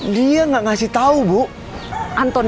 namanya anak sama dia atau